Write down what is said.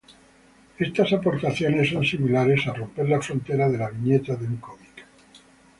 Estas aportaciones son similares a romper la frontera de la viñeta de un cómic.